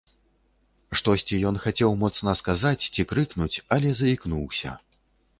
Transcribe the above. Штосьці ён хацеў моцна сказаць ці крыкнуць, але заікнуўся.